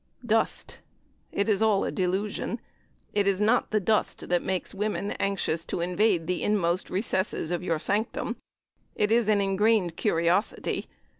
Dust! it is all a delusion. It is not the dust that makes women anxious to invade the inmost recesses of your Sanctum it is an ingrained curiosity.